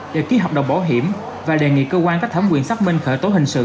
để ký hợp đồng bảo hiểm và đề nghị cơ quan có thẩm quyền xác minh khởi tố hình sự